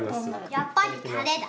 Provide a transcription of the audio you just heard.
やっぱりタレだ。